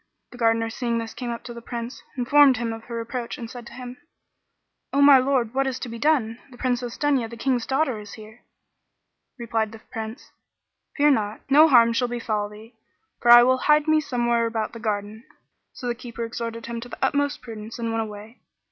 The Gardener seeing this came up to the Prince, informed him of her approach and said to him, "O my lord, what is to be done? The Princess Dunya, the King's daughter, is here." Replied the Prince, "Fear not, no harm shall befal thee; for I will hide me somewhere about the garden." So the Keeper exhorted him to the utmost prudence and went away.